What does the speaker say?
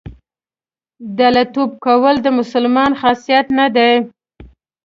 دله توب کول د مسلمان خاصیت نه دی.